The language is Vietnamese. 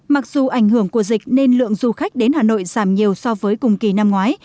mặc dù ảnh hưởng của dịch nên lượng du khách đến hà nội giảm nhiều so với cùng kỳ năm ngoái